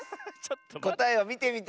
こたえをみてみて。